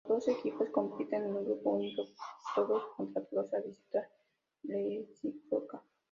Los doce equipos compiten en un grupo único, todos contra todos a visita recíproca.